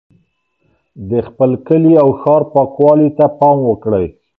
د خپل کلي او ښار پاکوالي ته پام وکړئ.